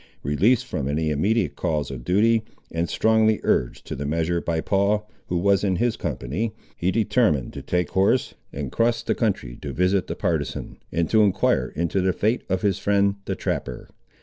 Released from any immediate calls of duty, and strongly urged to the measure by Paul, who was in his company, he determined to take horse, and cross the country to visit the partisan, and to enquire into the fate of his friend the trapper.